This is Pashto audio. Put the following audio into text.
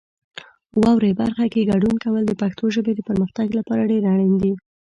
واورئ برخه کې ګډون کول د پښتو ژبې د پرمختګ لپاره ډېر اړین دی.